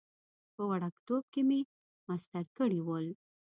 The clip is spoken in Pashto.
په وړکتوب کې مې مسطر کړي ول.